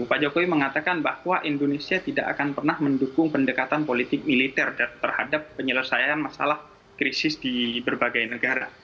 pak jokowi mengatakan bahwa indonesia tidak akan pernah mendukung pendekatan politik militer terhadap penyelesaian masalah krisis di berbagai negara